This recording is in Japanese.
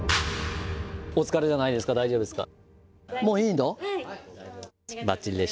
お疲れじゃないですか、大丈夫ですか。